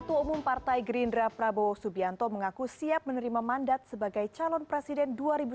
ketua umum partai gerindra prabowo subianto mengaku siap menerima mandat sebagai calon presiden dua ribu sembilan belas